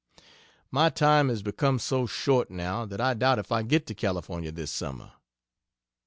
My time is become so short, now, that I doubt if I get to California this summer.